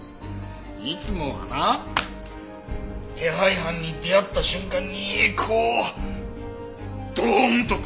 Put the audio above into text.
いつもはな手配犯に出会った瞬間にこうドーンとくるのよ。